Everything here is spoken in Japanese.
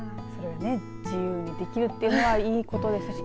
自由にできるっていうのはいいことですしね。